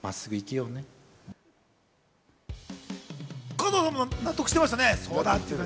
加藤さんも納得してましたね。